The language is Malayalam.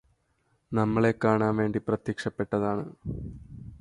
നമ്മളെ കാണാൻ വേണ്ടി പ്രത്യക്ഷപ്പെട്ടതാണ്